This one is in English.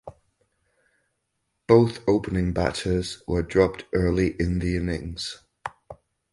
Both opening batters were dropped early in the innings.